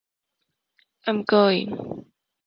I’m going.